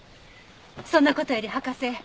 そんな事より博士